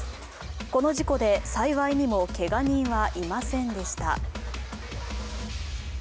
この事故で幸いにもけが人はいませんでした。